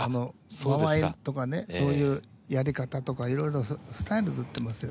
間合いとかねそういうやり方とかいろいろスタイルで打ってますよ。